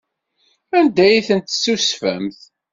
Anda ay tent-tessusfemt?